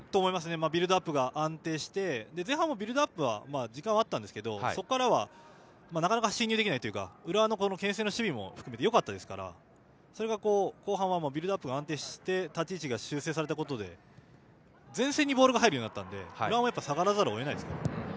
ビルドアップが安定して前半もビルドアップは時間はあったんですがそこからはなかなか進入できないというか浦和のけん制の守備もよかったですがそれが後半はビルドアップが安定して立ち位置が修正されることで前線にボールが入るようになったので浦和も下がらざるを得ないですね。